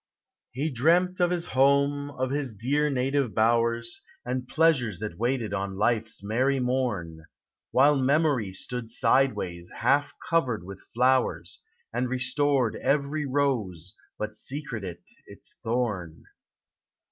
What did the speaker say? THE BE i. 130 He dreamt of his borne, of his dear Dative bowers, And pleasures that waited on life's merrj morn, While Memory stood sideways, half covered with tlow era, Ami restored everj rose, bul Becreted its thorn.